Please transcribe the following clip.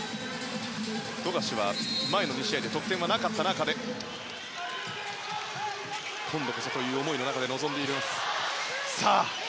富樫は前の２試合で得点がなかった中で今度こそという思いの中で臨んでいます。